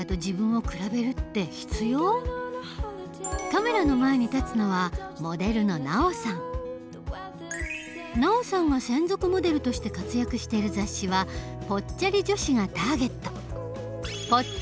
カメラの前に立つのはＮＡＯさんが専属モデルとして活躍している雑誌はぽっちゃり女子がターゲット。